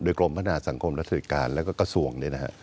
โดยกรมพัฒนาสังคมรัฐธิการและก็กระทรวงเนี่ยนะฮะ